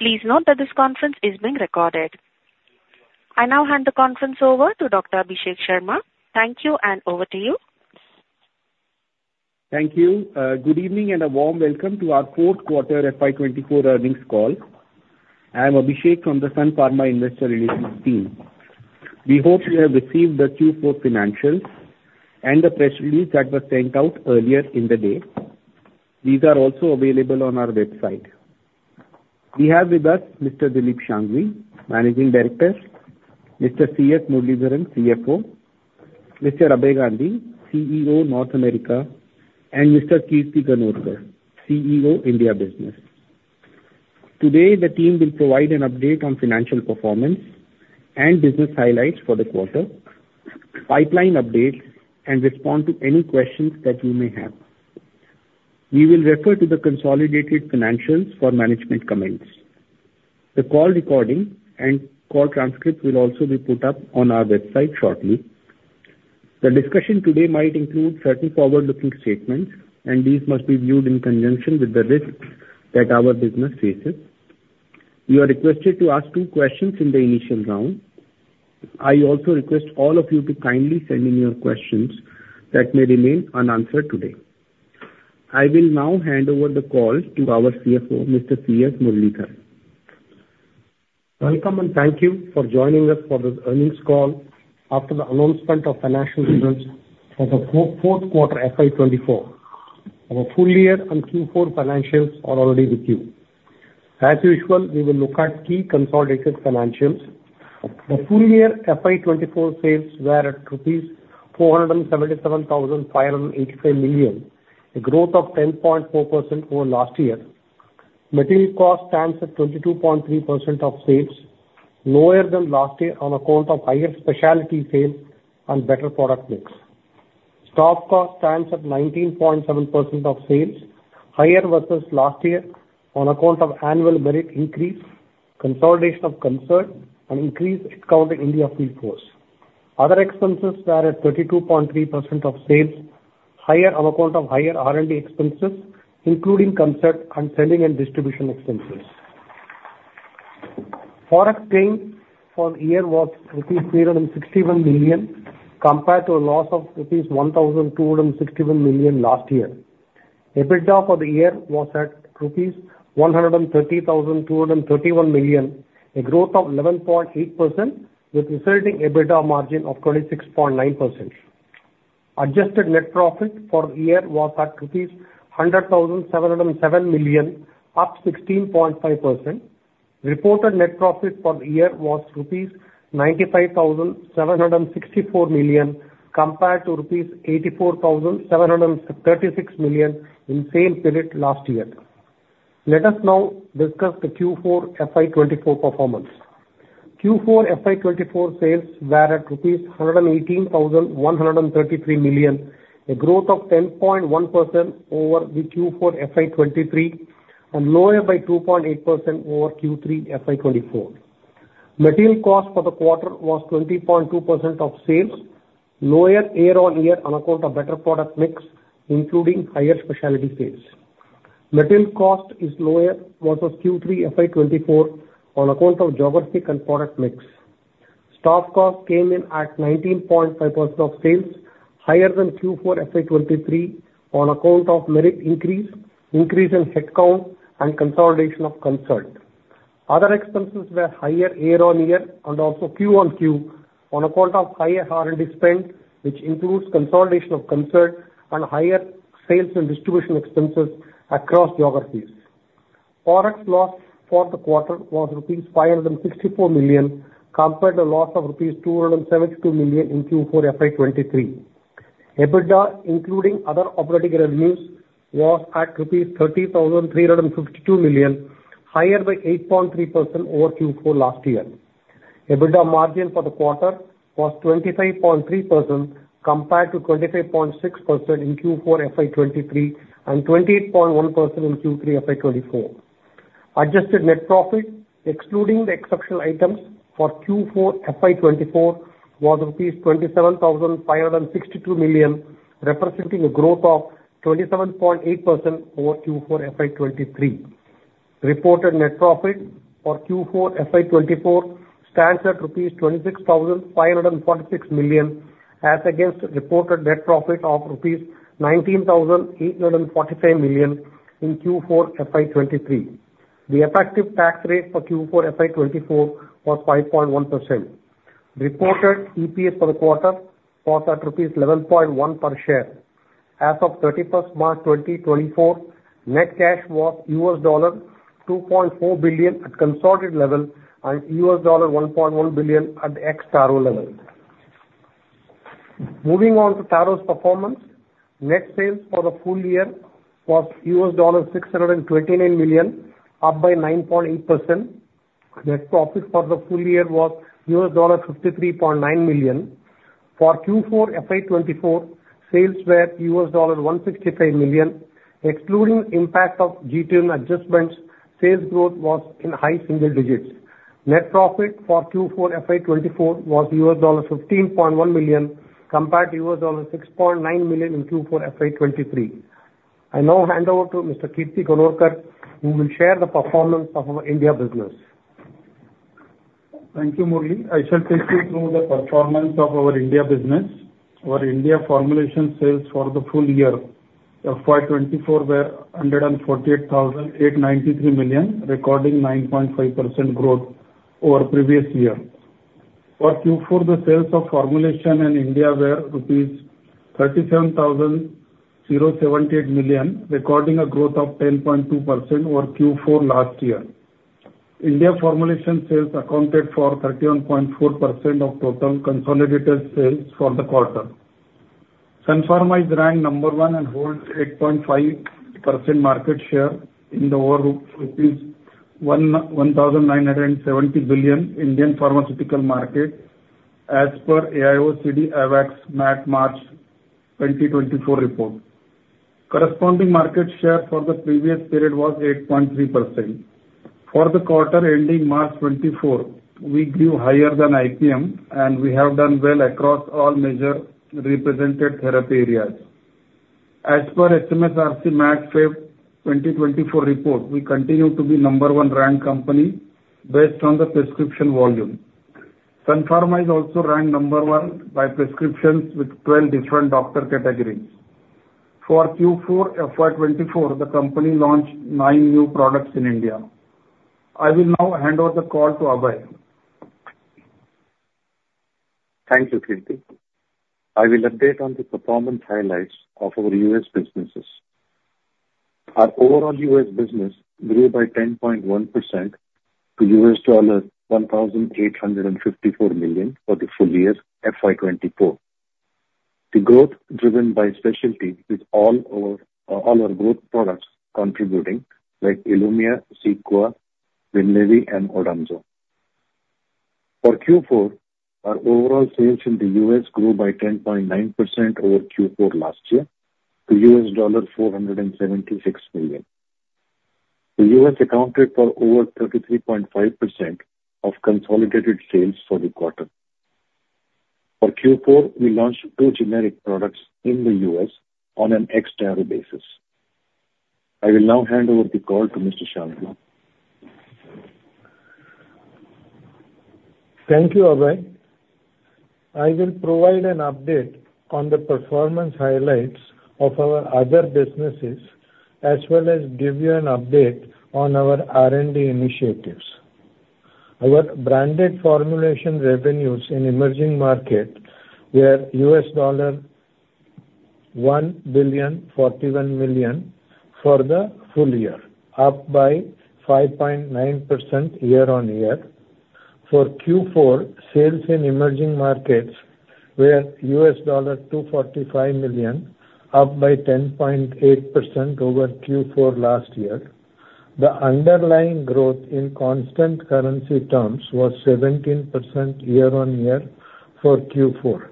Please note that this conference is being recorded. I now hand the conference over to Dr. Abhishek Sharma. Thank you, and over to you. Thank you. Good evening, and a warm welcome to our fourth quarter FY 2024 earnings call. I am Abhishek from the Sun Pharma Investor Relations team. We hope you have received the Q4 financials and the press release that was sent out earlier in the day. These are also available on our website. We have with us Mr. Dilip Shanghvi, Managing Director, Mr. C.S. Muralidharan, CFO, Mr. Abhay Gandhi, CEO, North America, and Mr. Kirti Ganorkar, CEO, India Business. Today, the team will provide an update on financial performance and business highlights for the quarter, pipeline updates, and respond to any questions that you may have. We will refer to the consolidated financials for management comments. The call recording and call transcript will also be put up on our website shortly. The discussion today might include certain forward-looking statements, and these must be viewed in conjunction with the risks that our business faces. You are requested to ask two questions in the initial round. I also request all of you to kindly send in your questions that may remain unanswered today. I will now hand over the call to our CFO, Mr. C.S. Muralidharan. Welcome, and thank you for joining us for this earnings call after the announcement of financial results for the fourth quarter FY 2024. Our full year and Q4 financials are already with you. As usual, we will look at key consolidated financials. The full year FY 2024 sales were at rupees 477,585 million, a growth of 10.4% over last year. Material cost stands at 22.3% of sales, lower than last year on account of higher specialty sales and better product mix. Staff cost stands at 19.7% of sales, higher versus last year on account of annual merit increase, consolidation of Concert, and increased headcount in India field force. Other expenses were at 32.3% of sales, higher on account of higher R&D expenses, including Concert and selling and distribution expenses. Foreign exchange for the year was rupees 361 million, compared to a loss of rupees 1,261 million last year. EBITDA for the year was at rupees 130,231 million, a growth of 11.8%, with resulting EBITDA margin of 26.9%. Adjusted net profit for the year was at INR 107,707 million, up 16.5%. Reported net profit for the year was INR 95,764 million, compared to INR 84,736 million in same period last year. Let us now discuss the Q4 FY 2024 performance. Q4 FY 2024 sales were at rupees 118,133 million, a growth of 10.1% over the Q4 FY 2023 and lower by 2.8% over Q3 FY 2024. Material cost for the quarter was 20.2% of sales, lower year-over-year on account of better product mix, including higher specialty sales. Material cost is lower versus Q3 FY 2024 on account of geographic and product mix. Staff cost came in at 19.5% of sales, higher than Q4 FY 2023 on account of merit increase, increase in headcount, and consolidation of Concert. Other expenses were higher year-over-year and also quarter-over-quarter on account of higher R&D spend, which includes consolidation of Concert and higher sales and distribution expenses across geographies. Forex loss for the quarter was rupees 564 million, compared to a loss of rupees 272 million in Q4 FY 2023. EBITDA, including other operating revenues, was at rupees 30,352 million, higher by 8.3% over Q4 last year. EBITDA margin for the quarter was 25.3%, compared to 25.6% in Q4 FY 2023 and 28.1% in Q3 FY 2024. Adjusted net profit, excluding the exceptional items for Q4 FY 2024, was rupees 27,562 million, representing a growth of 27.8% over Q4 FY 2023. Reported net profit for Q4 FY 2024 stands at rupees 26,546 million, as against reported net profit of rupees 19,845 million in Q4 FY 2023. The effective tax rate for Q4 FY 2024 was 5.1%. Reported EPS for the quarter was at 11.1 rupees per share. As of 31 March 2024, net cash was $2.4 billion at consolidated level and $1.1 billion at ex-Taro level. Moving on to Taro's performance. Net sales for the full year was $629 million, up by 9.8%. Net profit for the full year was $53.9 million. For Q4 FY 2024, sales were $165 million. Excluding impact of GTN adjustments, sales growth was in high single digits....Net profit for Q4 FY 2024 was $15.1 million, compared to $6.9 million in Q4 FY23. I now hand over to Mr. Kirti Ganorkar, who will share the performance of our India business. Thank you, Murali. I shall take you through the performance of our India business. Our India formulation sales for the full year of FY 2024 were 148,893 million, recording 9.5% growth over previous year. For Q4, the sales of formulation in India were rupees 37,078 million, recording a growth of 10.2% over Q4 last year. India formulation sales accounted for 31.4% of total consolidated sales for the quarter. Sun Pharma is ranked number one and holds 8.5% market share in the over rupees 1,970 billion Indian pharmaceutical market, as per AIOCD AWACS March 2024 report. Corresponding market share for the previous period was 8.3%. For the quarter ending March 2024, we grew higher than IPM, and we have done well across all major represented therapy areas. As per SMSRC MAC February 2024 report, we continue to be number 1 ranked company based on the prescription volume. Sun Pharma is also ranked number 1 by prescriptions with 12 different doctor categories. For Q4 FY 2024, the company launched 9 new products in India. I will now hand over the call to Abhay. Thank you, Kirti. I will update on the performance highlights of our US businesses. Our overall US business grew by 10.1% to $1,854 million for the full year, FY 2024. The growth driven by specialty is all our, all our growth products contributing, like Ilumya, Cequa, Winlevi, and Odomzo. For Q4, our overall sales in the US grew by 10.9% over Q4 last year to $476 million. The US accounted for over 33.5% of consolidated sales for the quarter. For Q4, we launched two generic products in the US on an external basis. I will now hand over the call to Mr. Shanghvi. Thank you, Abhay. I will provide an update on the performance highlights of our other businesses, as well as give you an update on our R&D initiatives. Our branded formulation revenues in emerging markets were $1,041 million for the full year, up by 5.9% year-on-year. For Q4, sales in emerging markets were $245 million, up by 10.8% over Q4 last year. The underlying growth in constant currency terms was 17% year-on-year for Q4.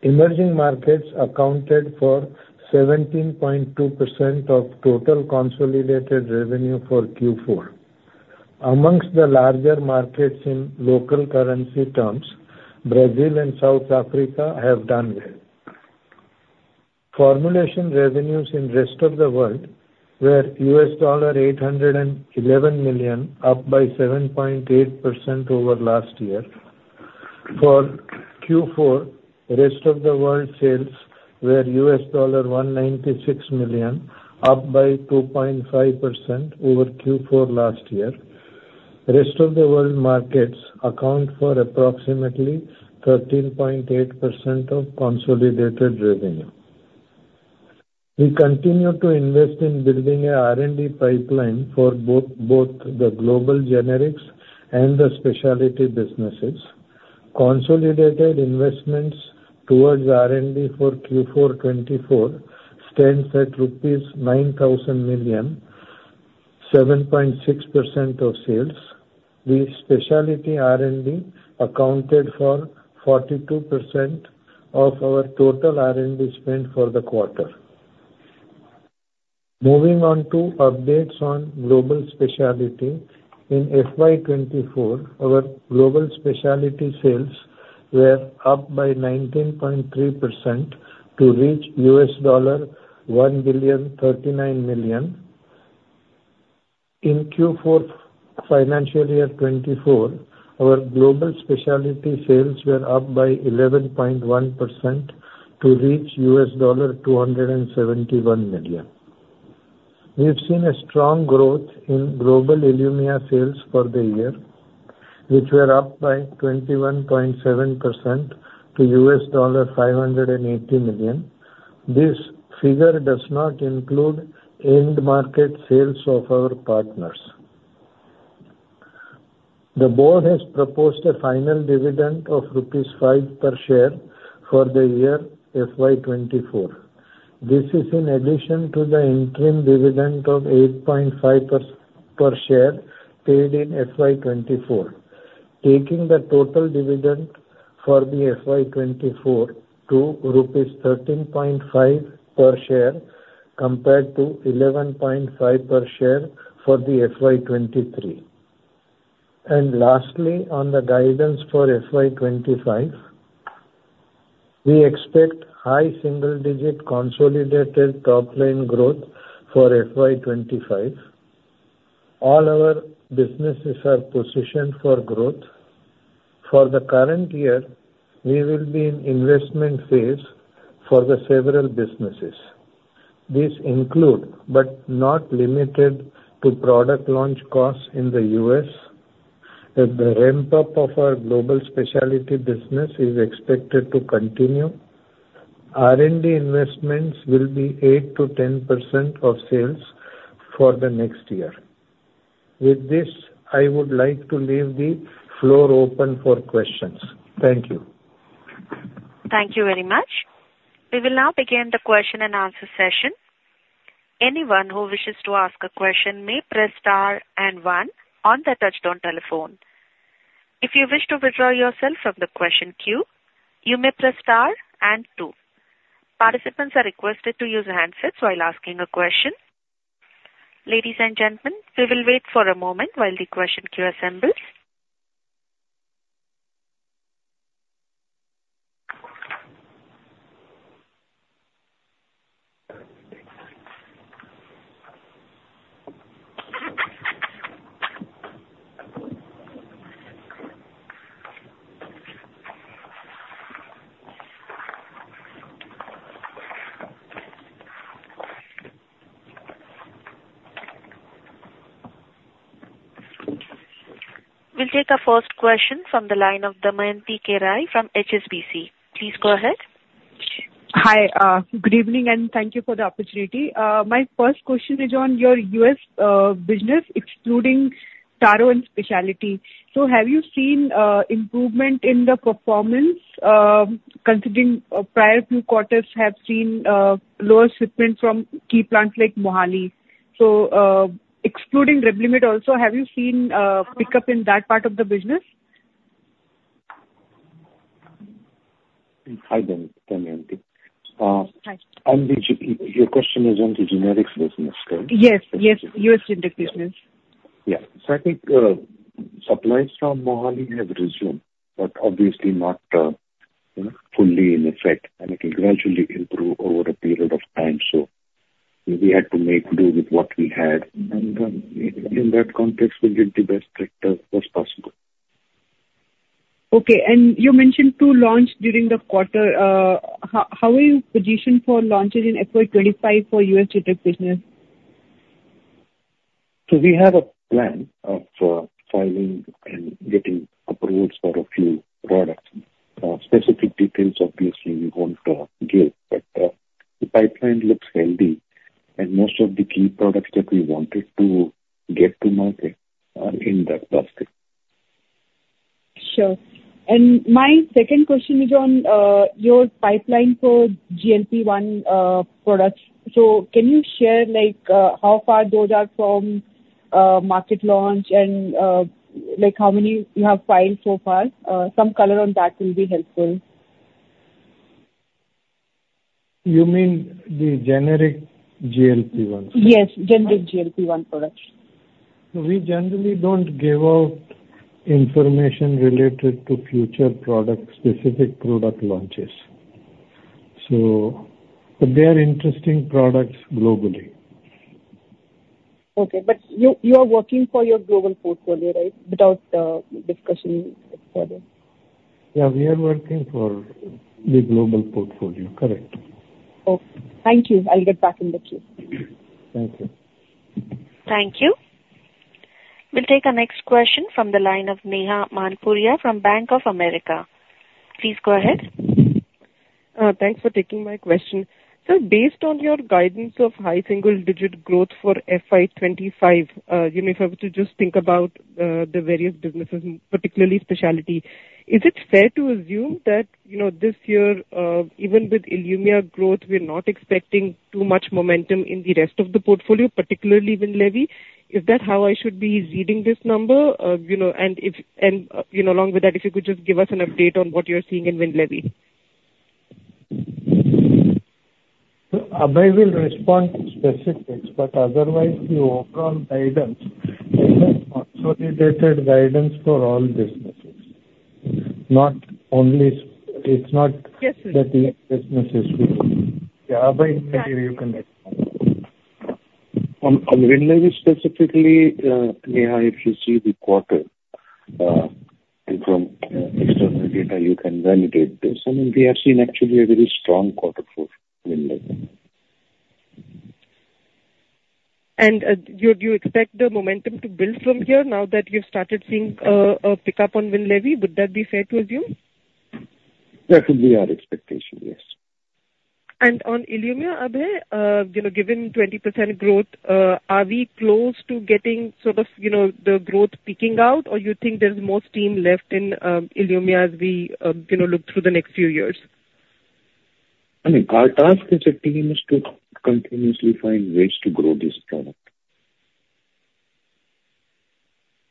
Emerging markets accounted for 17.2% of total consolidated revenue for Q4. Among the larger markets in local currency terms, Brazil and South Africa have done well. Formulation revenues in rest of the world were $811 million, up by 7.8% over last year. For Q4, rest of the world sales were $196 million, up by 2.5% over Q4 last year. Rest of the world markets account for approximately 13.8% of consolidated revenue. We continue to invest in building a R&D pipeline for both, both the global generics and the specialty businesses. Consolidated investments towards R&D for Q4 2024 stands at rupees 9,000 million, 7.6% of sales. The specialty R&D accounted for 42% of our total R&D spend for the quarter. Moving on to updates on global specialty. In FY 2024, our global specialty sales were up by 19.3% to reach $1,039 million. In Q4 financial year 2024, our global specialty sales were up by 11.1% to reach $271 million. We've seen a strong growth in global Ilumya sales for the year, which were up by 21.7% to $580 million. This figure does not include end market sales of our partners. The board has proposed a final dividend of 5 rupees per share for the year FY 2024. This is in addition to the interim dividend of 8.5 per share paid in FY 2024, taking the total dividend for the FY 2024 to rupees 13.5 per share, compared to 11.5 per share for the FY23. Lastly, on the guidance for FY 2025, we expect high single-digit consolidated top line growth for FY 2025. All our businesses are positioned for growth. For the current year, we will be in investment phase for the several businesses. These include, but not limited to, product launch costs in the U.S., and the ramp-up of our global specialty business is expected to continue. R&D investments will be 8%-10% of sales for the next year. With this, I would like to leave the floor open for questions. Thank you. Thank you very much. We will now begin the question and answer session. Anyone who wishes to ask a question may press star and one on their touchtone telephone. If you wish to withdraw yourself from the question queue, you may press star and two. Participants are requested to use handsets while asking a question. Ladies and gentlemen, we will wait for a moment while the question queue assembles. We'll take our first question from the line of Damayanti Kerai from HSBC. Please go ahead. Hi, good evening, and thank you for the opportunity. My first question is on your U.S. business, excluding Taro and Specialty. So have you seen improvement in the performance, considering prior few quarters have seen lower shipments from key plants like Mohali? So, excluding Revlimid also, have you seen pickup in that part of the business? Hi, Damayanti. Hi. Your question is on the generics business, correct? Yes, yes, U.S. generics business. Yeah. So I think, supplies from Mohali have resumed, but obviously not, you know, fully in effect, and it will gradually improve over a period of time. So we had to make do with what we had, and, in that context, we did the best that was possible. Okay. And you mentioned two launches during the quarter. How are you positioned for launches in FY 2025 for U.S. generic business? So we have a plan of filing and getting approvals for a few products. Specific details, obviously, we won't give, but the pipeline looks healthy, and most of the key products that we wanted to get to market are in that basket. Sure. And my second question is on your pipeline for GLP-1 products. So can you share, like, how far those are from market launch, and, like, how many you have filed so far? Some color on that will be helpful. You mean the generic GLP-1? Yes, generic GLP-1 products. We generally don't give out information related to future products, specific product launches, so... But they are interesting products globally. Okay, but you, you are working for your global portfolio, right? Without discussing it further. Yeah, we are working for the global portfolio, correct. Okay. Thank you. I'll get back in the queue. Thank you. Thank you. We'll take our next question from the line of Neha Manpuria from Bank of America. Please go ahead. Thanks for taking my question. So based on your guidance of high single-digit growth for FY 2025, you know, if I were to just think about the various businesses, particularly specialty, is it fair to assume that, you know, this year, even with Ilumya growth, we're not expecting too much momentum in the rest of the portfolio, particularly Winlevi? Is that how I should be reading this number? You know, and if... And, you know, along with that, if you could just give us an update on what you're seeing in Winlevi. Abhay will respond to specifics, but otherwise, the overall guidance is a consolidated guidance for all businesses. It's not- Yes, sir. That the business is weak. Yeah, Abhay, maybe you can explain. On Winlevi specifically, Neha, if you see the quarter and from external data, you can validate this, I mean, we have seen actually a very strong quarter for Winlevi. Do you expect the momentum to build from here now that you've started seeing a pickup on Winlevi? Would that be fair to assume? That would be our expectation, yes. On Ilumya, Abhay, you know, given 20% growth, are we close to getting sort of, you know, the growth peaking out, or you think there's more steam left in Ilumya as we, you know, look through the next few years? I mean, our task as a team is to continuously find ways to grow this product.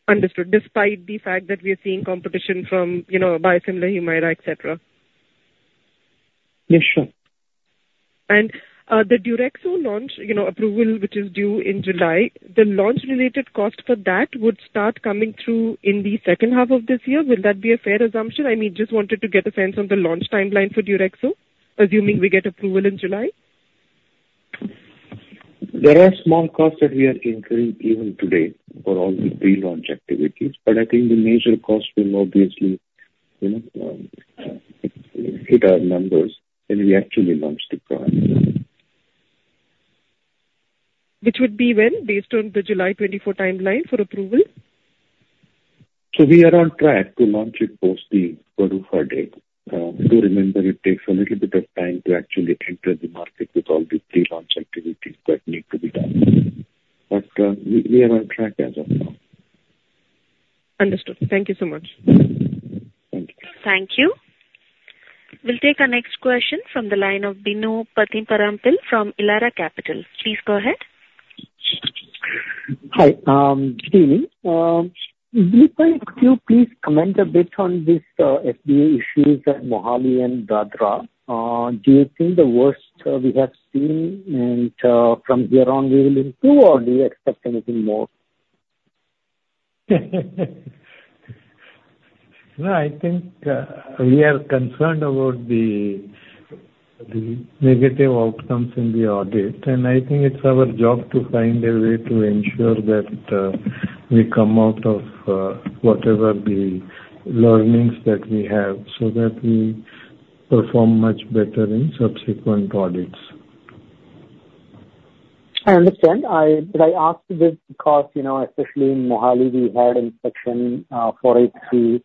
Understood. Despite the fact that we are seeing competition from, you know, biosimilar Humira, et cetera? Yes, sure. The deuruxolitinib launch, you know, approval, which is due in July, the launch-related cost for that would start coming through in the second half of this year. Will that be a fair assumption? I mean, just wanted to get a sense on the launch timeline for deuruxolitinib, assuming we get approval in July. There are small costs that we are incurring even today for all the pre-launch activities, but I think the major cost will obviously, you know, hit our numbers when we actually launch the product. Which would be when, based on the July 2024 timeline for approval? We are on track to launch it post the PDUFA date. Do remember it takes a little bit of time to actually enter the market with all the pre-launch activities that need to be done. But, we are on track as of now. Understood. Thank you so much. Thank you. Thank you. We'll take our next question from the line of Bino Pathiparampil from Elara Capital. Please go ahead. Hi. Good evening. Could you please comment a bit on this, FDA issues at Mohali and Dadra? Do you think the worst we have seen, and from here on we will improve, or do you expect anything more? No, I think we are concerned about the negative outcomes in the audit, and I think it's our job to find a way to ensure that we come out of whatever the learnings that we have, so that we perform much better in subsequent audits. I understand. But I ask this because, you know, especially in Mohali, we had inspection, 483.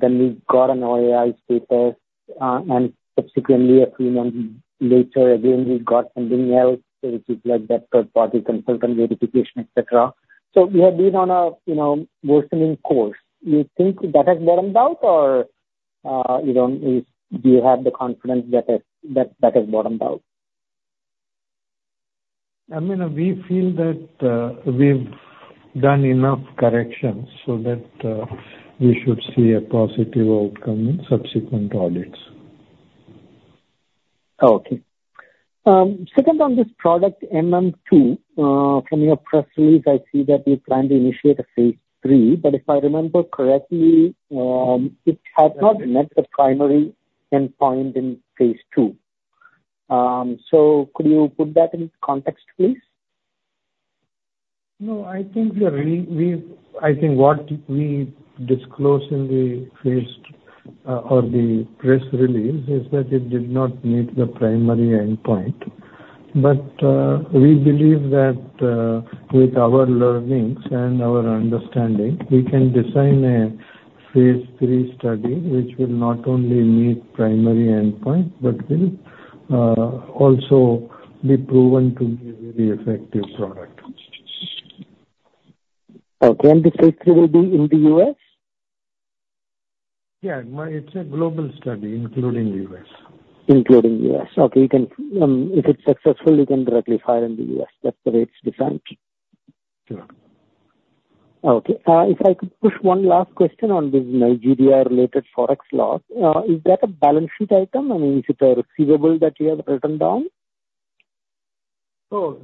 Then we got an OAI status, and subsequently a few months later, again, we got something else, which is like the third party consultant ratification, et cetera. So we have been on a, you know, worsening course. You think that has bottomed out or, you know, do you have the confidence that has, that, that has bottomed out? I mean, we feel that, we've done enough corrections so that, we should see a positive outcome in subsequent audits. Okay. Second on this product, MM2. From your press release, I see that you plan to initiate a phase III, but if I remember correctly, it had not met the primary endpoint in phase II. So could you put that into context, please? No, I think we are really, we've, I think what we disclosed in the phase II, or the press release, is that it did not meet the primary endpoint. But, we believe that, with our learnings and our understanding, we can design a phase 3 study which will not only meet primary endpoint, but will, also be proven to be a very effective product. Okay, and the phase III will be in the US? Yeah. Well, it's a global study, including U.S. Including U.S. Okay, you can, if it's successful, you can directly file in the U.S. That's the way it's designed. Yeah. Okay. If I could push one last question on this Nigeria-related Forex loss. Is that a balance sheet item? I mean, is it a receivable that you have written down?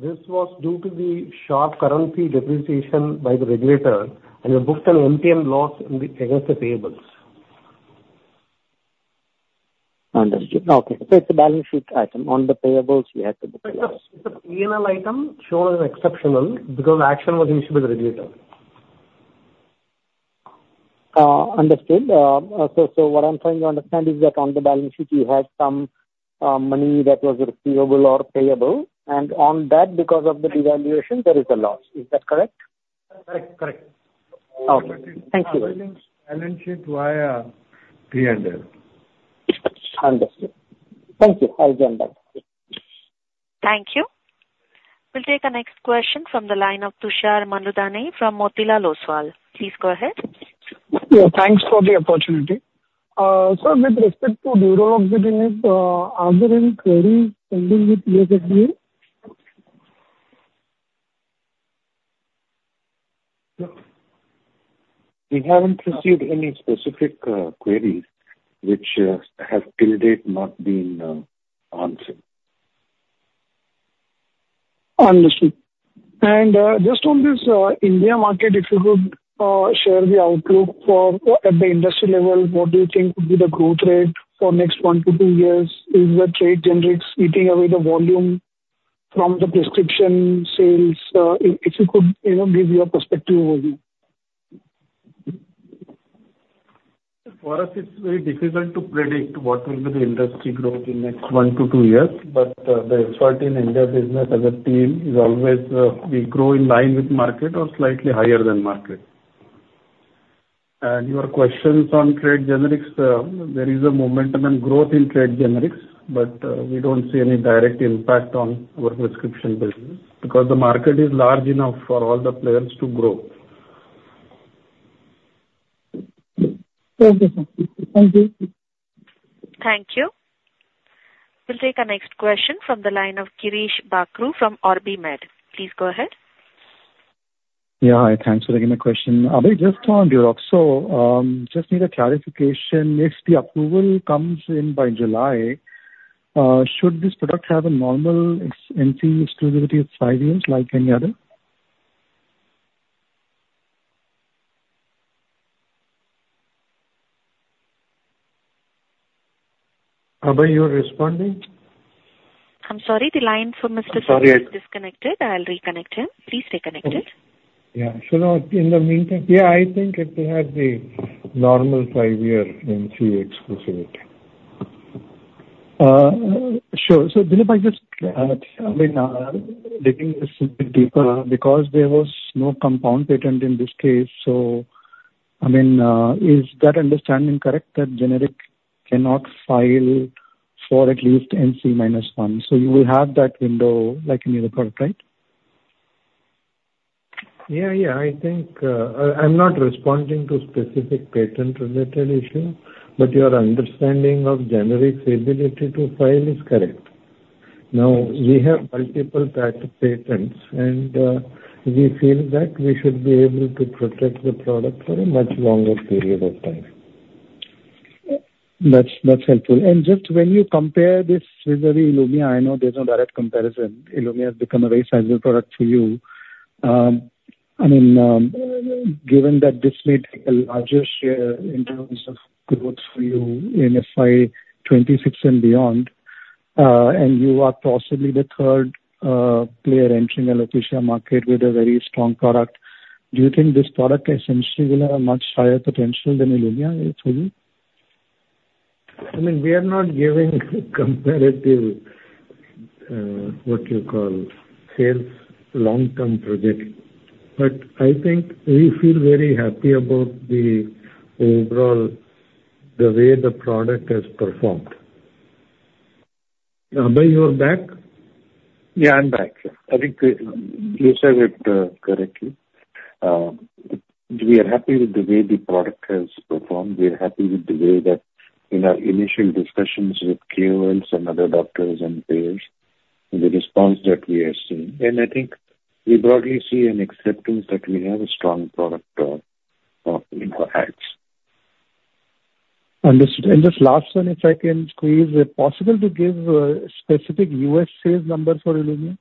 This was due to the sharp currency depreciation by the regulator, and we booked an MTM loss in the against the payables. Understood. Okay. So it's a balance sheet item. On the payables, we have to book a loss. It's a P&L item shown as exceptional because the action was initiated with the regulator. Understood. What I'm trying to understand is that on the balance sheet, you had some money that was receivable or payable, and on that, because of the devaluation, there is a loss. Is that correct? Correct, correct. Okay. Thank you. Balance sheet via P&L. Understood. Thank you. I'll remember. Thank you. We'll take the next question from the line of Tushar Manudhane from Motilal Oswal. Please go ahead. Yeah, thanks for the opportunity. Sir, with respect to the development, are there any queries pending with U.S. FDA? We haven't received any specific queries which have till date not been answered. Understood. Just on this India market, if you could share the outlook for, at the industry level, what do you think would be the growth rate for next one to two years? Is the trade generics eating away the volume from the prescription sales? If you could, you know, give your perspective over here. For us, it's very difficult to predict what will be the industry growth in next one to two years. But the expert in India business as a team is always, we grow in line with market or slightly higher than market. And your questions on trade generics, there is a momentum and growth in trade generics, but, we don't see any direct impact on our prescription business, because the market is large enough for all the players to grow. Thank you, sir. Thank you. Thank you. We'll take our next question from the line of Girish Bakhru from OrbiMed. Please go ahead. Yeah, hi. Thanks for taking the question. Abhay, just on Deuruxolitinib. So, just need a clarification. If the approval comes in by July, should this product have a normal NCE exclusivity of five years like any other? Abhay, you are responding? I'm sorry, the line for Mr. Abhay. I'm sorry. Disconnected. I'll reconnect him. Please stay connected. Yeah. So now, in the meantime... Yeah, I think it will have the normal five-year NCE exclusivity. Sure. So Dilip, I just, I mean, digging this a bit deeper, because there was no compound patent in this case, so, I mean, is that understanding correct, that generic cannot file for at least NCE-1, so you will have that window like any other product, right? Yeah, yeah. I think, I'm not responding to specific patent-related issue, but your understanding of generic's ability to file is correct. Now, we have multiple patent, patents, and, we feel that we should be able to protect the product for a much longer period of time. That's helpful. And just when you compare this with Ilumya, I know there's no direct comparison. Ilumya has become a very sizable product for you. I mean, given that this may take a larger share in terms of growth for you in FY 2026 and beyond, and you are possibly the third player entering Alopecia market with a very strong product, do you think this product, essentially, will have a much higher potential than Ilumya will for you? I mean, we are not giving comparative, what you call, sales long-term projection. But I think we feel very happy about the overall, the way the product has performed. Abhay, you are back? Yeah, I'm back, sir. I think you said it correctly. We are happy with the way the product has performed. We are happy with the way that in our initial discussions with KOLs and other doctors and payers, the response that we are seeing. And I think we broadly see an acceptance that we have a strong product in our hands. Understood. And just last one, if I can squeeze. Is it possible to give specific U.S. sales numbers for Ilumya?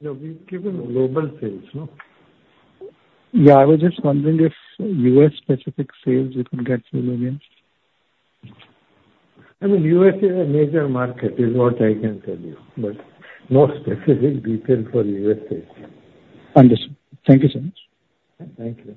No, we've given global sales, no? Yeah, I was just wondering if U.S.-specific sales you could get for Ilumya. I mean, U.S. is a major market, is what I can tell you, but no specific detail for U.S. sales. Understood. Thank you so much. Thank you.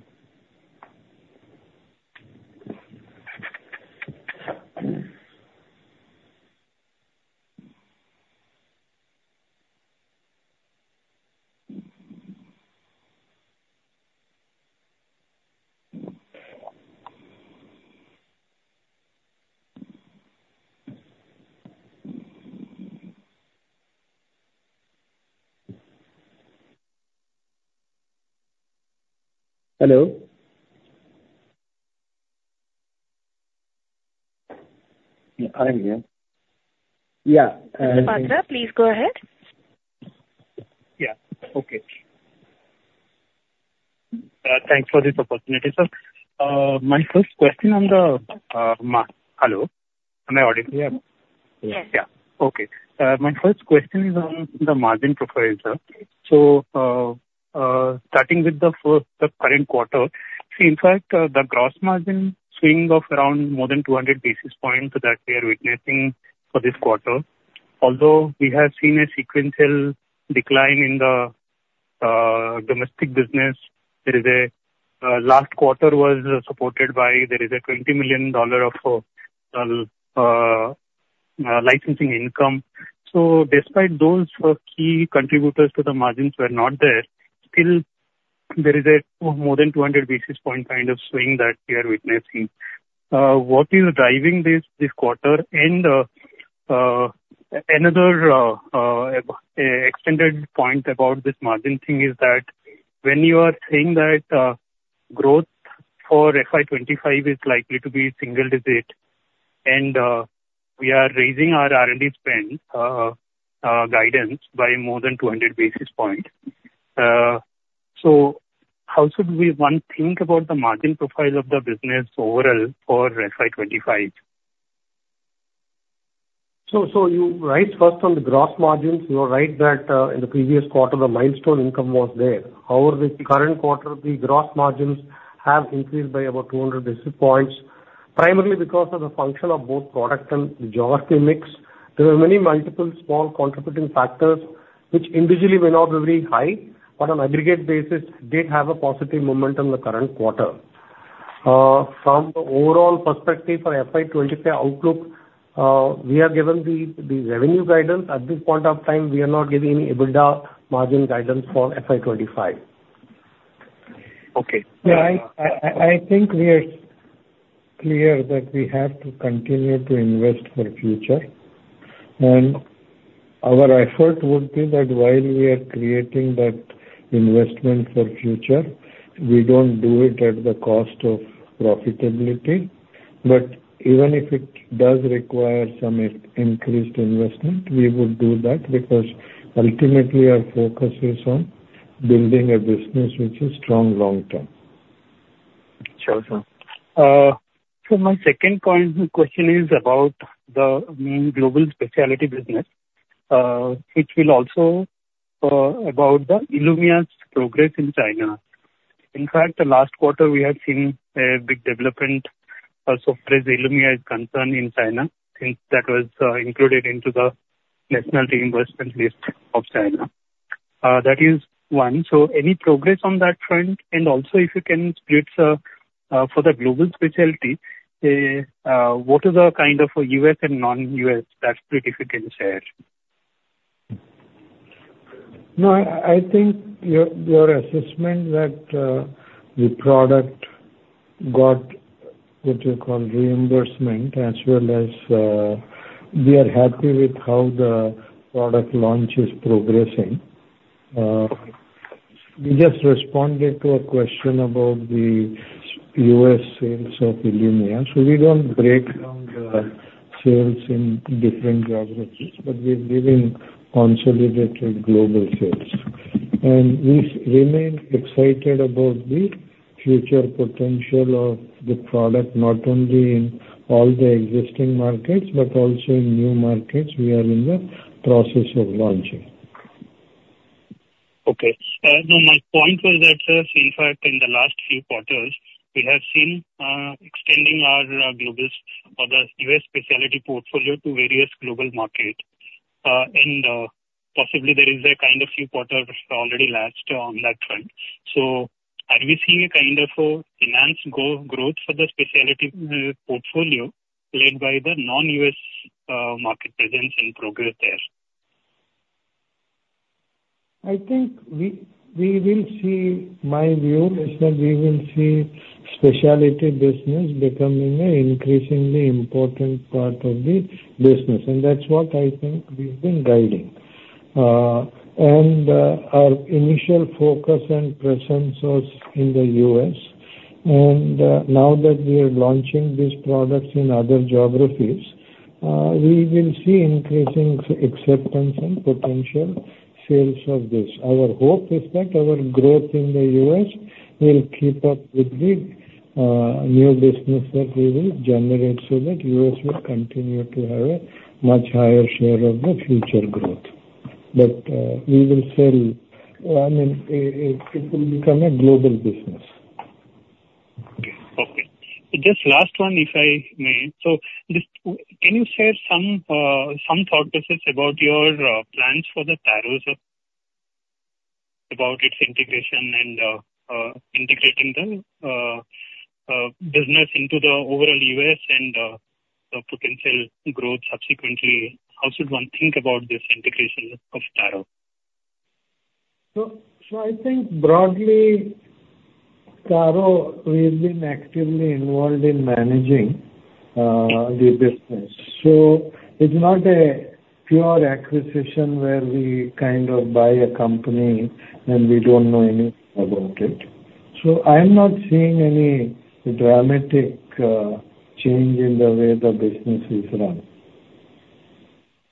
Hello? Yeah, I'm here. Yeah, Bakhru, please go ahead. Yeah. Okay. Thanks for this opportunity, sir. My first question on the... Hello? Am I audible, yeah? Yeah. Yeah. Okay. My first question is on the margin profile, sir. So, starting with the first, the current quarter, so in fact, the gross margin swing of around more than 200 basis points that we are witnessing for this quarter, although we have seen a sequential decline in the domestic business, there is a, last quarter was supported by, there is a $20 million of licensing income. So despite those key contributors to the margins were not there, still there is a more than 200 basis point kind of swing that we are witnessing. What is driving this this quarter? Another extended point about this margin thing is that when you are saying that growth for FY 2025 is likely to be single-digit, and we are raising our R&D spend guidance by more than 200 basis points. So how should we, one, think about the margin profile of the business overall for FY 2025? So, you're right, first on the gross margins, you are right that in the previous quarter, the milestone income was there. However, the current quarter, the gross margins have increased by about 200 basis points, primarily because of the function of both product and geography mix. There are many multiple small contributing factors, which individually were not very high, but on aggregate basis did have a positive momentum in the current quarter. From the overall perspective for FY 2025 outlook, we have given the revenue guidance. At this point of time, we are not giving any EBITDA margin guidance for FY 2025. Okay. Yeah, I think we're clear that we have to continue to invest for future, and our effort would be that while we are creating that investment for future, we don't do it at the cost of profitability. But even if it does require some increased investment, we would do that, because ultimately our focus is on building a business which is strong long term. Sure, sir. So my second point, question is about the main global specialty business, which will also about the Ilumya's progress in China. In fact, the last quarter we have seen a big development as far as Ilumya is concerned in China, since that was included into the national reimbursement list of China. That is one. So any progress on that front? And also, if you can split, for the global specialty, what is the kind of U.S. and non-U.S. that split, if you can share? No, I think your assessment that the product got, what you call, reimbursement, as well as we are happy with how the product launch is progressing. We just responded to a question about the U.S. sales of Ilumya, so we don't break down the sales in different geographies, but we're giving consolidated global sales. And we remain excited about the future potential of the product, not only in all the existing markets, but also in new markets we are in the process of launching. Okay. No, my point was that, sir, in fact, in the last few quarters, we have seen extending our global or the US specialty portfolio to various global market, and possibly there is a kind of few quarters which already lapsed on that front. So are we seeing a kind of a enhanced growth for the specialty portfolio led by the non-U.S. market presence and progress there? I think we will see... My view is that we will see specialty business becoming an increasingly important part of the business, and that's what I think we've been guiding. Our initial focus and presence was in the U.S., and now that we are launching these products in other geographies, we will see increasing acceptance and potential sales of this. Our hope is that our growth in the U.S. will keep up with the new business that we will generate, so that U.S. will continue to have a much higher share of the future growth. But we will sell, I mean, it will become a global business. Okay. Okay. Just last one, if I may. So just can you share some some thought process about your plans for the Taro, sir, about its integration and integrating the business into the overall US and the potential growth subsequently? How should one think about this integration of Taro? So, I think broadly, Taro, we've been actively involved in managing the business. So it's not a pure acquisition where we kind of buy a company and we don't know anything about it. So I'm not seeing any dramatic change in the way the business is run.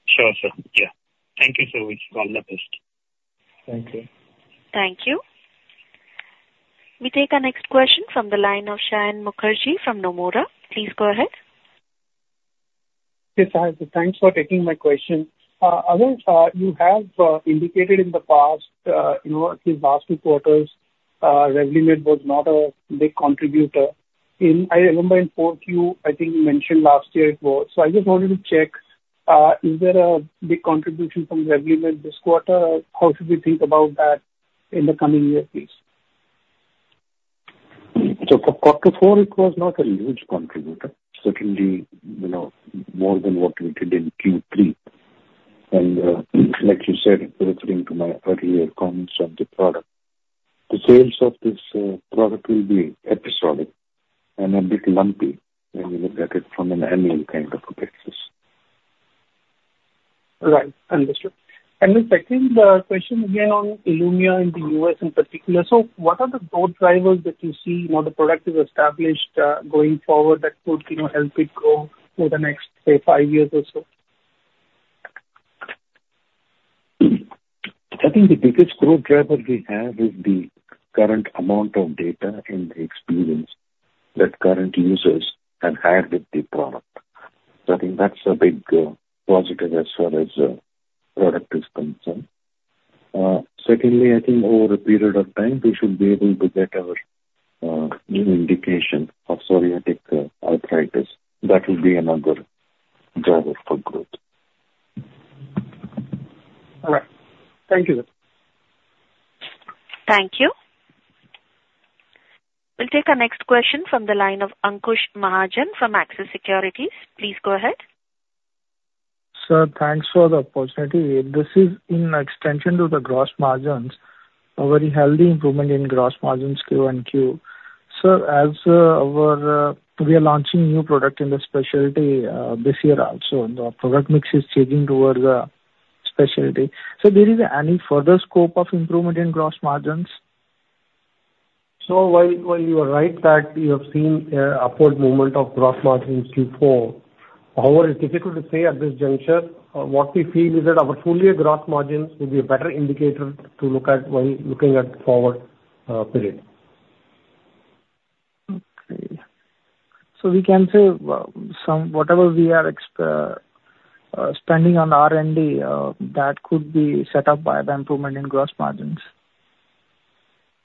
Sure, sir. Yeah. Thank you, sir. Wish you all the best. Thank you. Thank you. We take our next question from the line of Sayan Mukherjee from Nomura. Please go ahead. Yes, sir. Thanks for taking my question. You have indicated in the past, you know, I think last two quarters, Revlimid was not a big contributor. I remember in fourth Q, I think you mentioned last year it was. So I just wanted to check, is there a big contribution from Revlimid this quarter? How should we think about that in the coming year, please? So for quarter four, it was not a huge contributor. Certainly, you know, more than what we did in Q3. And, like you said, referring to my earlier comments on the product, the sales of this product will be episodic and a bit lumpy, when you look at it from an annual kind of a basis. Right. Understood. And the second question again on Ilumya in the U.S. in particular. So what are the growth drivers that you see, now the product is established, going forward, that could, you know, help it grow for the next, say, five years or so? I think the biggest growth driver we have is the current amount of data and the experience that current users have had with the product. So I think that's a big positive as far as product is concerned. Secondly, I think over a period of time, we should be able to get our new indication of psoriatic arthritis. That will be another driver for growth. All right. Thank you, sir. Thank you. We'll take our next question from the line of Ankush Mahajan from Axis Securities. Please go ahead. Sir, thanks for the opportunity. This is in extension to the gross margins, a very healthy improvement in gross margins Q and Q. Sir, as, our, we are launching new product in the specialty, this year also, the product mix is changing towards, specialty. So there is any further scope of improvement in gross margins? So while you are right that we have seen an upward movement of gross margins Q4, however, it's difficult to say at this juncture. What we feel is that our full year gross margins will be a better indicator to look at when looking at forward period. Okay. So we can say, sum, whatever we are spending on R&D, that could be set up by the improvement in gross margins.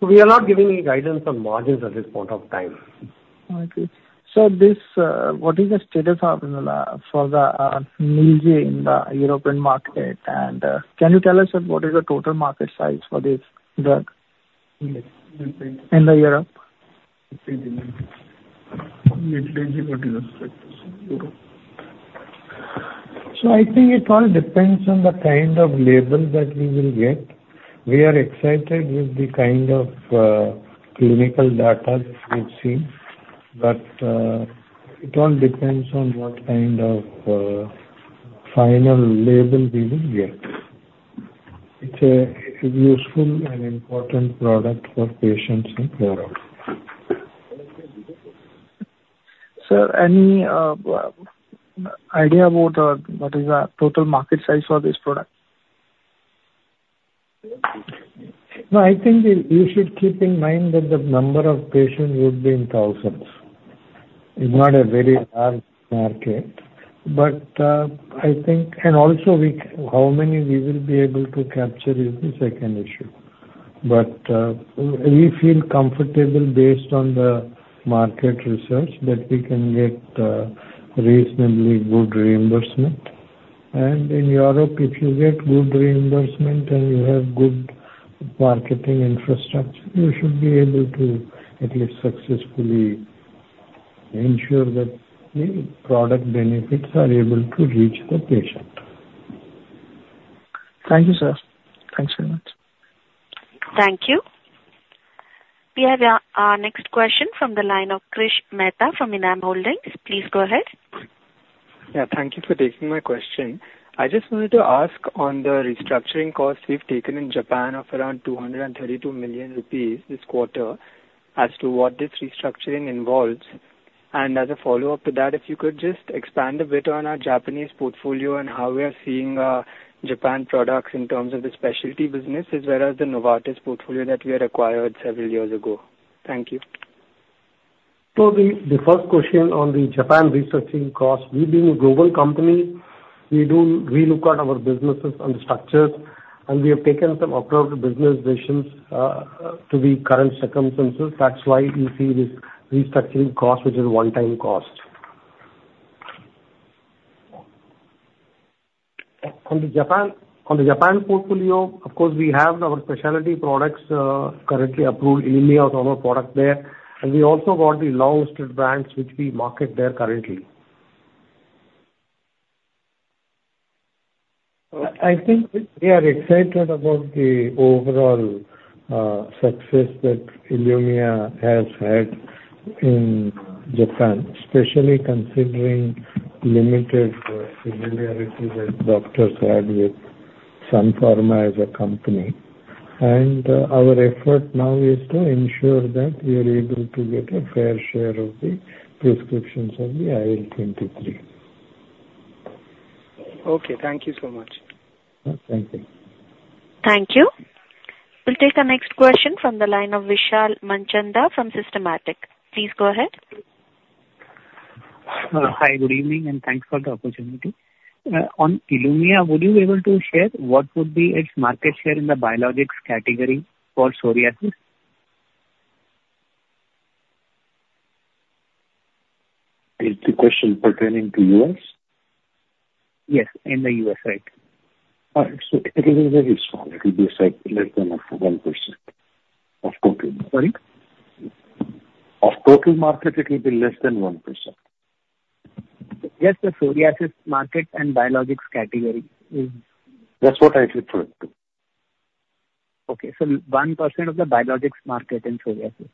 We are not giving any guidance on margins at this point of time. Okay. So, what is the status of Nidlegy in the European market? And, can you tell us what is the total market size for this drug? In the? In the Europe. I think it all depends on the kind of label that we will get. We are excited with the kind of clinical data we've seen, but it all depends on what kind of final label we will get. It's a useful and important product for patients in Europe. Sir, any idea about what is the total market size for this product? No, I think you should keep in mind that the number of patients would be in thousands. It's not a very large market, but I think. And also how many we will be able to capture is the second issue. But we feel comfortable based on the market research that we can get a reasonably good reimbursement. And in Europe, if you get good reimbursement and you have good marketing infrastructure, you should be able to at least successfully ensure that the product benefits are able to reach the patient. Thank you, sir. Thanks very much. Thank you. We have our next question from the line of Krish Mehta from Enam Holdings. Please go ahead. Yeah, thank you for taking my question. I just wanted to ask on the restructuring costs you've taken in Japan of around 232 million rupees this quarter, as to what this restructuring involves. And as a follow-up to that, if you could just expand a bit on our Japanese portfolio and how we are seeing, Japan products in terms of the specialty business, as well as the Novartis portfolio that we acquired several years ago. Thank you. So the first question on the Japan restructuring costs, we being a global company, we do re-look at our businesses and structures, and we have taken some appropriate business decisions to the current circumstances. That's why you see this restructuring cost, which is a one-time cost. On the Japan portfolio, of course, we have our specialty products currently approved in India or some of our products there. And we also got the licensed brands which we market there currently. I think we are excited about the overall success that Ilumya has had in Japan, especially considering limited familiarity that doctors had with Sun Pharma as a company. And our effort now is to ensure that we are able to get a fair share of the prescriptions of the IL-23. Okay, thank you so much. Thank you. Thank you. We'll take our next question from the line of Vishal Manchanda from Systematix. Please go ahead. Hi, good evening, and thanks for the opportunity. On Ilumya, would you be able to share what would be its market share in the biologics category for psoriasis? Is the question pertaining to U.S.? Yes, in the U.S., right. So, it will be very small. It will be, say, less than up to 1% of total. Sorry? Of total market, it will be less than 1%. Just the psoriasis market and biologics category. That's what I referred to. Okay, so 1% of the biologics market in psoriasis?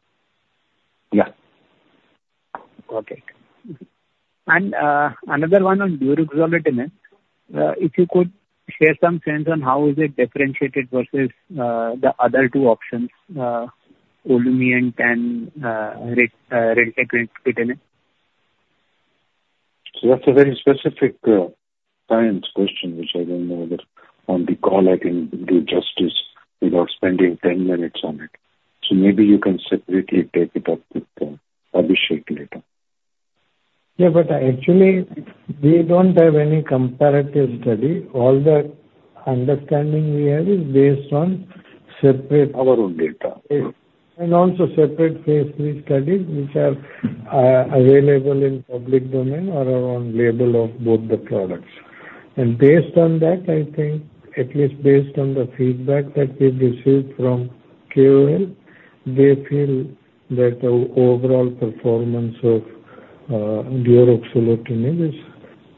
Yeah. Okay. And, another one on Deuruxolitinib. If you could share some sense on how is it differentiated versus the other two options, Olumiant and Litfulo? So that's a very specific science question, which I don't know whether on the call I can do justice without spending 10 minutes on it. So maybe you can separately take it up with Abhishek later. Yeah, but actually we don't have any comparative study. All the understanding we have is based on separate Our own data. And also separate Phase 3 studies, which are available in public domain or around label of both the products. And based on that, I think, at least based on the feedback that we've received from KOLs. They feel that the overall performance of Deuruxolitinib is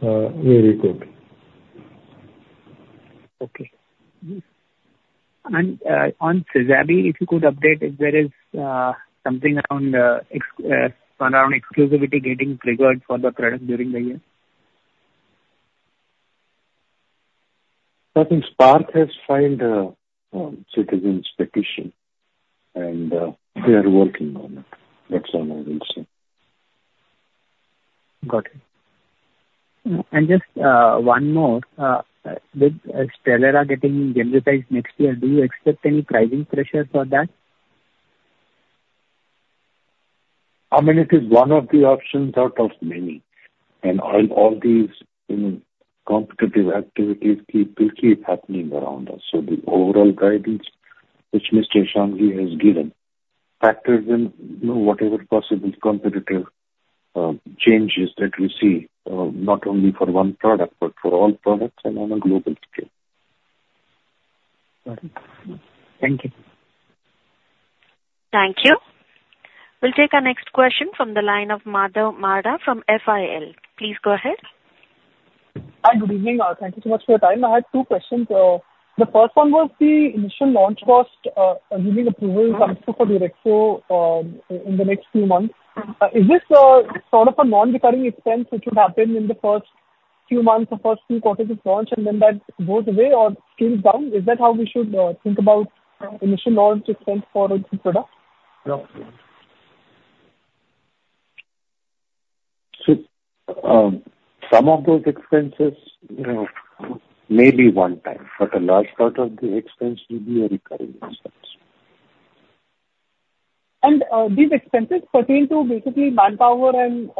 very good. Okay. And on Sezaby, if you could update, if there is something around exclusivity getting triggered for the product during the year? I think SPARC has filed a citizen's petition, and they are working on it. That's all I will say. Got it. And just one more, with Stelara getting generalized next year, do you expect any pricing pressure for that? I mean, it is one of the options out of many, and all, all these, you know, competitive activities keep, will keep happening around us. So the overall guidance, which Mr. Shanghvi has given, factors in, you know, whatever possible competitive changes that we see, not only for one product, but for all products and on a global scale. Got it. Thank you. Thank you. We'll take our next question from the line of Madhav Marda from FIL. Please go ahead. Hi, good evening. Thank you so much for your time. I had two questions. The first one was the initial launch cost, assuming approval comes through for Deuruxolitinib, in the next few months. Is this sort of a non-recurring expense which would happen in the first few months or first few quarters of launch and then that goes away or scales down? Is that how we should think about initial launch expense for this product? Some of those expenses, you know, may be one time, but a large part of the expense will be a recurring expense. These expenses pertain to basically manpower and,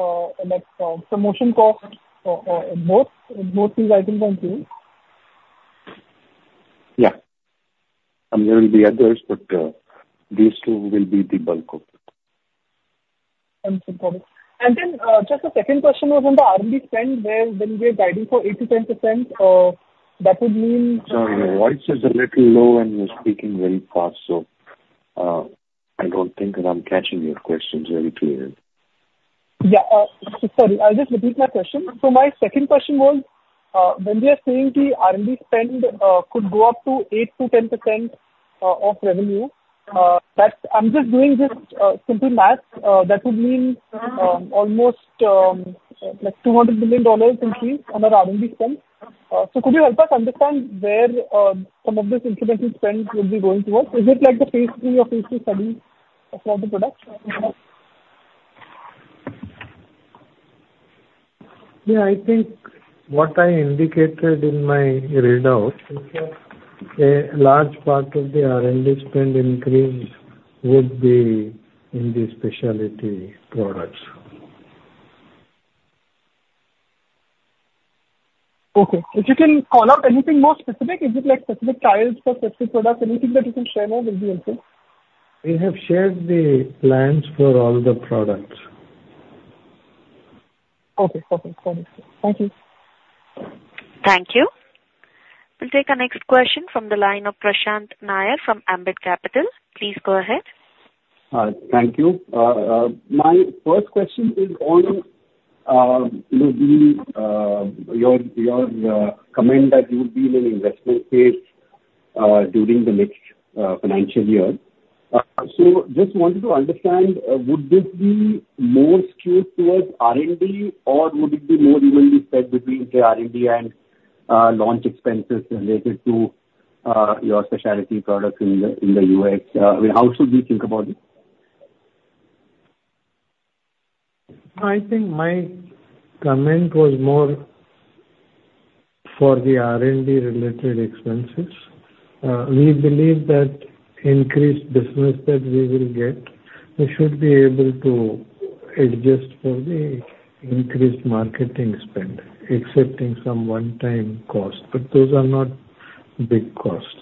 like, promotion costs, both these items I think. Yeah. And there will be others, but, these two will be the bulk of it. Understood. Got it. And then, just a second question was on the R&D spend, where when we are guiding for 8%-10%, that would mean. Sorry, your voice is a little low, and you're speaking very fast, so, I don't think that I'm catching your questions very clearly. Yeah. Sorry. I'll just repeat my question. So my second question was, when we are saying the R&D spend, could go up to 8%-10% of revenue, that's... I'm just doing this simple math. That would mean, almost, like $200 billion increase on our R&D spend. So could you help us understand where, some of this incremental spend will be going towards? Is it like the phase III or phase II study for the products? Yeah, I think what I indicated in my readout is that a large part of the R&D spend increase would be in the specialty products. Okay. If you can call out anything more specific, is it like specific trials for specific products? Anything that you can share more would be helpful. We have shared the plans for all the products. Okay, perfect. Got it. Thank you. Thank you. We'll take our next question from the line of Prashant Nair from Ambit Capital. Please go ahead. Thank you. My first question is on, you know, your comment that you will be in an investment phase during the next financial year. Just wanted to understand, would this be more skewed towards R&D, or would it be more evenly spread between the R&D and launch expenses related to your specialty products in the U.S.? How should we think about it? I think my comment was more for the R&D-related expenses. We believe that increased business that we will get, we should be able to adjust for the increased marketing spend, excepting some one-time costs, but those are not big costs.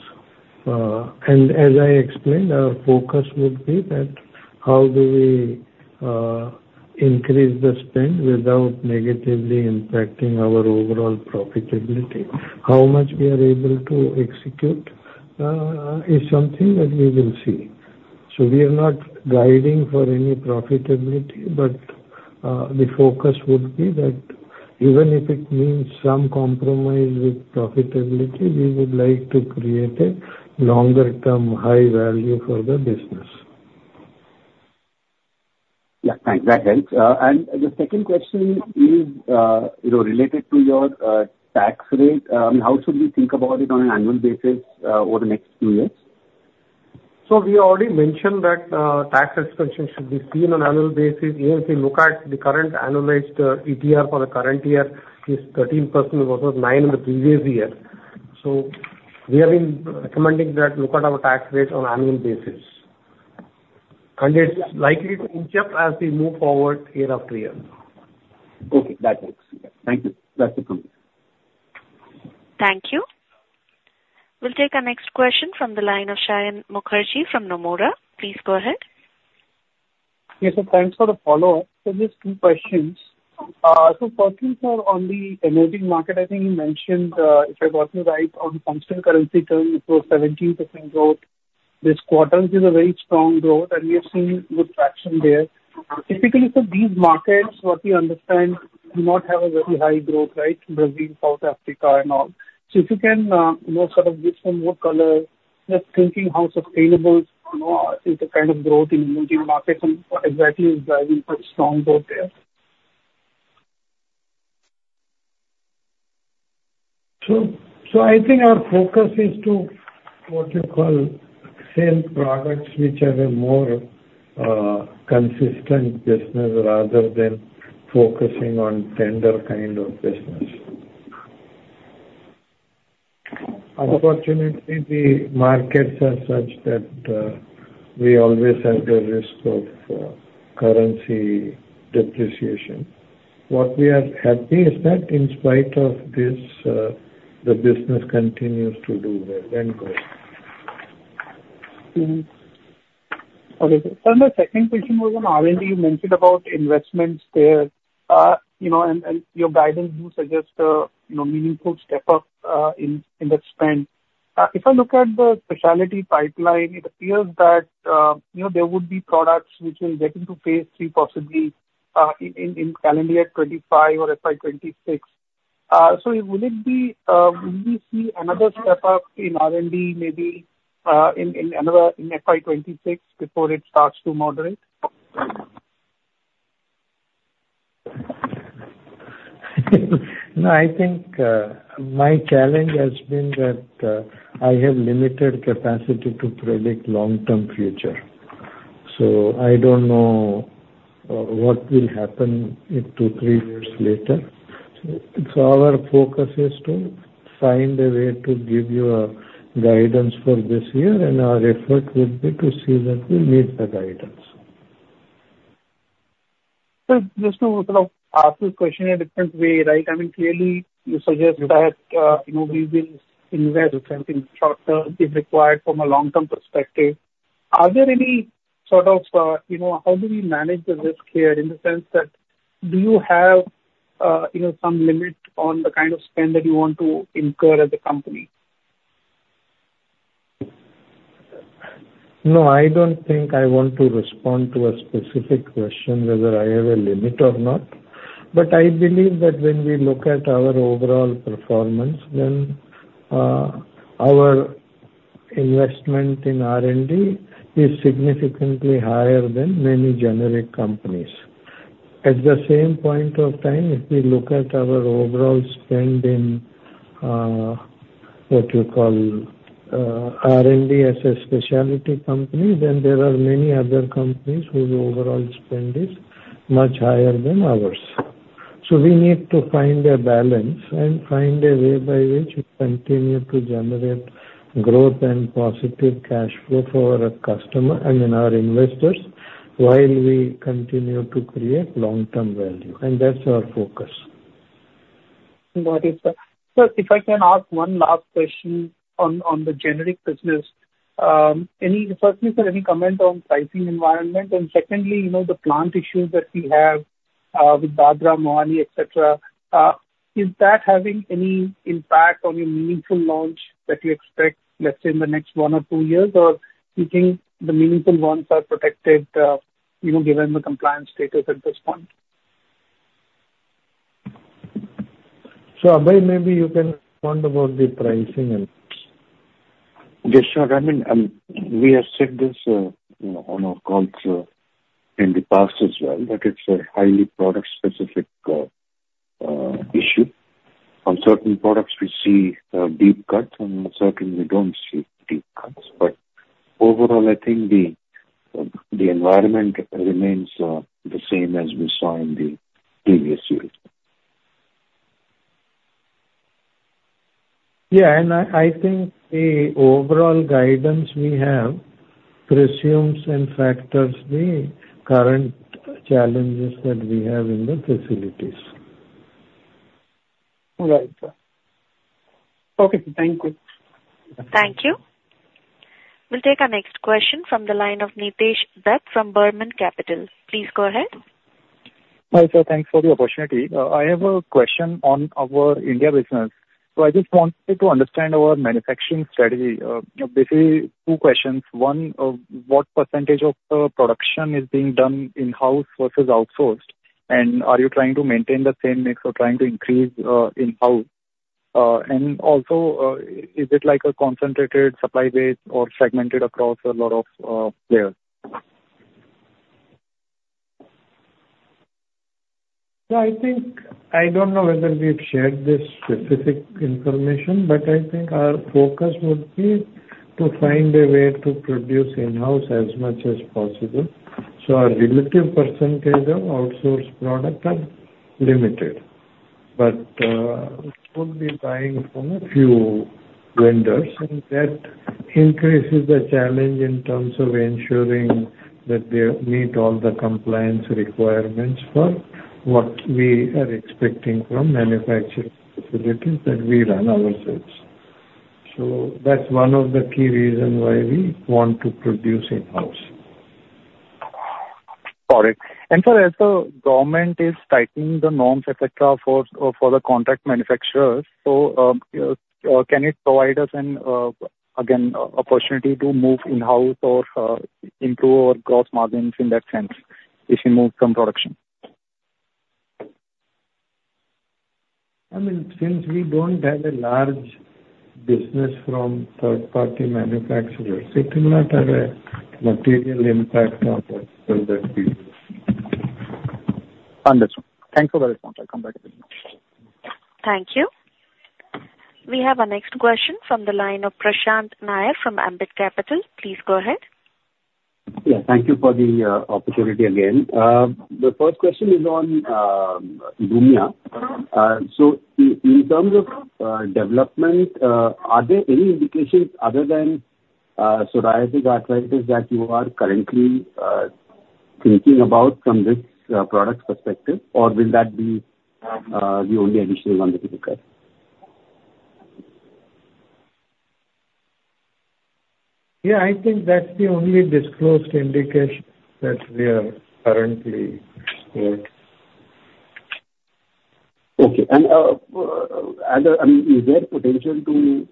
And as I explained, our focus would be that how do we increase the spend without negatively impacting our overall profitability? How much we are able to execute is something that we will see. So we are not guiding for any profitability, but the focus would be that even if it means some compromise with profitability, we would like to create a longer-term high value for the business. Yeah, thanks. That helps. And the second question is, you know, related to your tax rate. How should we think about it on an annual basis, over the next two years? We already mentioned that tax expense should be seen on annual basis. If you look at the current annualized ETR for the current year is 13%, versus 9% in the previous year. We have been recommending that look at our tax rate on annual basis, and it's likely to inch up as we move forward year after year. Okay, that helps. Thank you. That's it. Thank you. We'll take our next question from the line of Sayan Mukherjee from Nomura. Please go ahead. Yes, sir, thanks for the follow-up. So just two questions. So first one on the emerging market, I think you mentioned, if I got you right, on constant currency terms, it was 17% growth. This quarter is a very strong growth, and we have seen good traction there. Typically, so these markets, what we understand, do not have a very high growth, right? Brazil, South Africa and all. So if you can, you know, sort of give some more color, just thinking how sustainable, you know, is the kind of growth in emerging markets and what exactly is driving quite strong growth there? So, I think our focus is to, what you call, sell products which are a more consistent business rather than focusing on tender kind of business. Unfortunately, the markets are such that we always have the risk of currency depreciation. What we are happy is that in spite of this, the business continues to do well and grow. Okay. Sir, my second question was on R&D. You mentioned about investments there. You know, and your guidance do suggest a you know, meaningful step-up in the spend. If I look at the specialty pipeline, it appears that you know, there would be products which will get into phase 3, possibly in calendar 2025 or FY 2026. So will it be, will we see another step up in R&D, maybe in another in FY 2026 before it starts to moderate? No, I think, my challenge has been that, I have limited capacity to predict long-term future, so I don't know, what will happen in two, three years later. So our focus is to find a way to give you a guidance for this year, and our effort will be to see that we meet the guidance. Sir, just to sort of ask this question a different way, right? I mean, clearly you suggest that, you know, we will invest, I think, short term is required from a long-term perspective. Are there any sort of, you know, how do we manage the risk here in the sense that do you have, you know, some limit on the kind of spend that you want to incur as a company? No, I don't think I want to respond to a specific question whether I have a limit or not. But I believe that when we look at our overall performance, then, our investment in R&D is significantly higher than many generic companies. At the same point of time, if we look at our overall spend in, what you call, R&D as a specialty company, then there are many other companies whose overall spend is much higher than ours. So we need to find a balance and find a way by which we continue to generate growth and positive cash flow for our customer and then our investors, while we continue to create long-term value, and that's our focus. Got it, sir. Sir, if I can ask one last question on, on the generic business. Any, firstly, sir, any comment on pricing environment? And secondly, you know, the plant issues that we have, with Dadra, Mohali, et cetera, is that having any impact on a meaningful launch that you expect, let's say, in the next one or two years? Or you think the meaningful ones are protected, you know, given the compliance status at this point? Abhay, maybe you can comment about the pricing. Yes, sure. I mean, we have said this, you know, on our calls, in the past as well, that it's a highly product-specific issue. On certain products, we see deep cuts, and on certain we don't see deep cuts. But overall, I think the environment remains the same as we saw in the previous years. Yeah, and I, I think the overall guidance we have presumes and factors the current challenges that we have in the facilities. Right, sir. Okay, thank you. Thank you. We'll take our next question from the line of Nitesh Dutt from Burman Capital. Please go ahead. Hi, sir. Thanks for the opportunity. I have a question on our India business. So I just wanted to understand our manufacturing strategy. Basically two questions. One, what percentage of the production is being done in-house versus outsourced, and are you trying to maintain the same mix or trying to increase in-house? And also, is it like a concentrated supply base or segmented across a lot of players? So, I think I don't know whether we've shared this specific information, but I think our focus would be to find a way to produce in-house as much as possible. So our relative percentage of outsourced product are limited. But, we could be buying from a few vendors, and that increases the challenge in terms of ensuring that they meet all the compliance requirements for what we are expecting from manufacturing facilities that we run ourselves. So that's one of the key reasons why we want to produce in-house. Got it. So as the government is tightening the norms, et cetera, for the contract manufacturers, can it provide us an opportunity again to move in-house or improve our gross margins in that sense, if we move from production? I mean, since we don't have a large business from third-party manufacturers, it will not have a material impact on the inaudible. Understood. Thank you for the response. I'll come back to you. Thank you. We have our next question from the line of Prashant Nair from Ambit Capital. Please go ahead. Yeah, thank you for the opportunity again. The first question is on inaudible. So in terms of development, are there any indications other than psoriatic arthritis that you are currently thinking about from this product perspective? Or will that be the only additional one that you look at? Yeah, I think that's the only disclosed indication that we are currently in. Okay. And I mean, is there potential to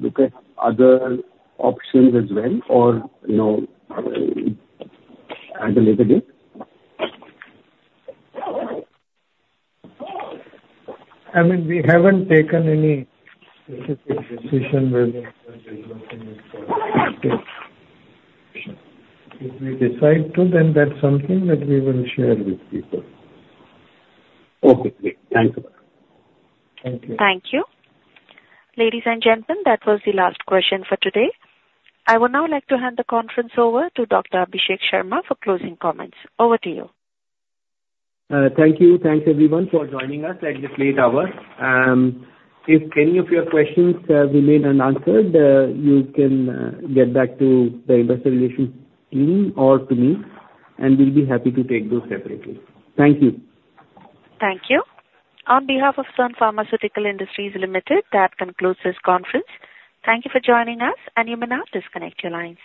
look at other options as well, or, you know, at a later date? I mean, we haven't taken any specific decision. If we decide to, then that's something that we will share with people. Okay, great. Thank you. Thank you. Thank you. Ladies and gentlemen, that was the last question for today. I would now like to hand the conference over to Dr. Abhishek Sharma for closing comments. Over to you. Thank you. Thanks, everyone, for joining us at this late hour. If any of your questions have remained unanswered, you can get back to the investor relations team or to me, and we'll be happy to take those separately. Thank you. Thank you. On behalf of Sun Pharmaceutical Industries Limited, that concludes this conference. Thank you for joining us, and you may now disconnect your lines.